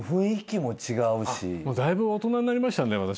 だいぶ大人になりましたんで私。